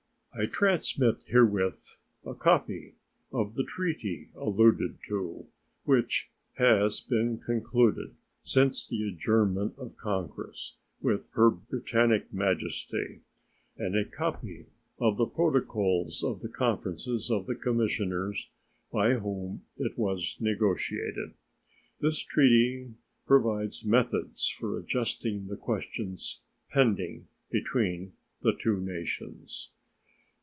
I transmit herewith a copy of the treaty alluded to, which has been concluded since the adjournment of Congress with Her Britannic Majesty, and a copy of the protocols of the conferences of the commissioners by whom it was negotiated. This treaty provides methods for adjusting the questions pending between the two nations.